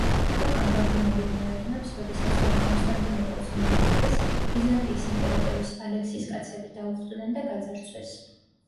უკან გაბრუნებულ მონაზვნებს, როდესაც მათ კონსტანტინოპოლს მიაღწიეს, ბიზანტიის იმპერატორის, ალექსის კაცები დაუხვდნენ და გაძარცვეს.